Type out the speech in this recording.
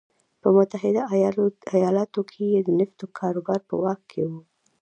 په متحده ایالتونو کې یې د نفتو کاروبار په واک کې و.